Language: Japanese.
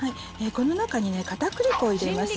この中に片栗粉を入れます。